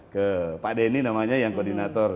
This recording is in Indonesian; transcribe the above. ke pak denny namanya yang koordinator